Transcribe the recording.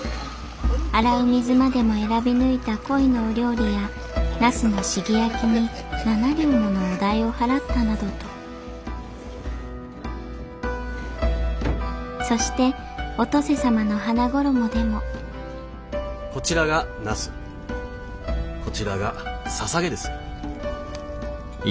洗う水までも選び抜いた鯉のお料理や茄子のしぎ焼きに７両ものお代を払ったなどとそしてお登世様の「花ごろも」でもこちらが茄子こちらがささげです。